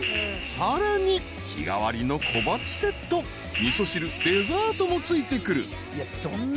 ［さらに日替わりの小鉢セット］［味噌汁デザートも付いてくる］